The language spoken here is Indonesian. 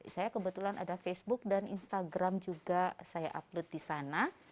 saya kebetulan ada facebook dan instagram juga saya upload di sana